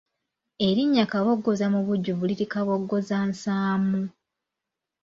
Erinnya Kaboggoza mubujjuvu liri Kaboggozansaamu.